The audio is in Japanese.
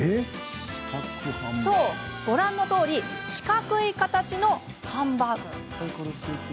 そう、ご覧のとおり四角い形のハンバーグ。